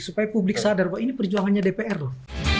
supaya publik sadar bahwa ini perjuangannya dpr loh